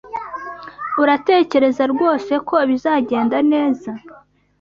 Uratekereza rwose ko bizagenda neza?